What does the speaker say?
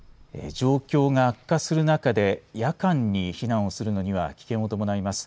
状況が悪化する中で夜間に避難をするのには危険が伴います。